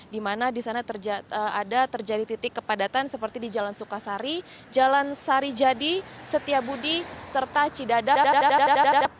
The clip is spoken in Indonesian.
di mana di sana ada terjadi titik kepadatan seperti di jalan sukasari jalan sarijadi setiabudi serta cidadang